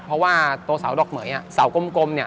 เพราะว่าตัวเสาดอกเหม๋เสากลม